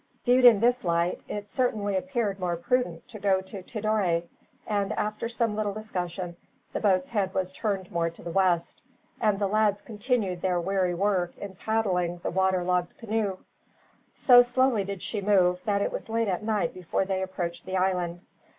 Viewed in this light, it certainly appeared more prudent to go to Tidore, and after some little discussion the boat's head was turned more to the west, and the lads continued their weary work in paddling the water logged canoe. So slowly did she move that it was late at night before they approached the island.